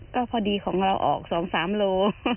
ก็พอดีของเราออก๒๓โล